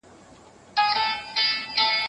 تاسو په پښتونولي کي د ننواتې په اړه څه پوهېږئ؟